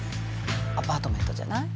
アパートメントじゃない。